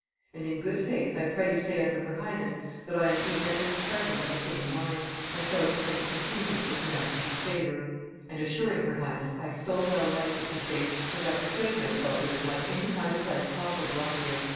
And, in good faith, I pray you say unto her highness, I am even at this present of the same mind, and so intend to continue, with her majesty's favor: and assuring her highness I so well like this estate, as I persuade myself there is not any kind of life comparable unto it.